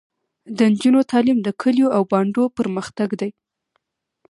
د نجونو تعلیم د کلیو او بانډو پرمختګ دی.